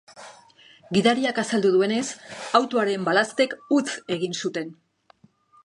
Gidariak azaldu duenez, autoaren balaztek huts egin zuten.